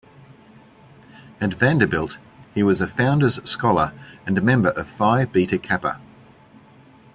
At Vanderbilt he was a Founders Scholar and member of Phi Beta Kappa.